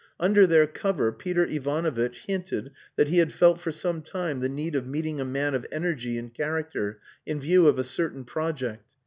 Under their cover, Peter Ivanovitch hinted that he had felt for some time the need of meeting a man of energy and character, in view of a certain project.